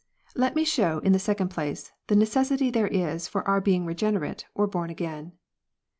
Let me show, in the second place, the necessity there is for our being regenerate, or born again.